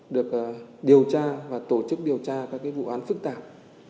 được điều tra và tổ chức điều tra các vụ án phức tạp